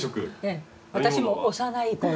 私も幼い頃はい。